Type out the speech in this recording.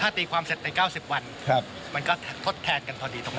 ถ้าตีความเสร็จใน๙๐วันมันก็ทดแทนกันพอดีตรงนั้น